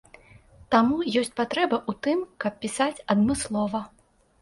Таму ёсць патрэба ў тым, каб пісаць адмыслова.